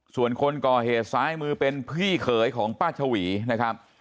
ส่วนคนก่อเหตุซ้ายมือเป็นพี่เขยของป้าชวีนะครับ